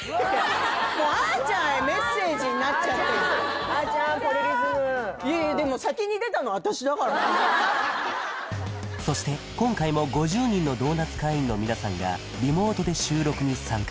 もうあちゃんへメッセージになっちゃってるあちゃん「ポリリズム」いやいやでもそして今回も５０人のドーナツ会員の皆さんがリモートで収録に参加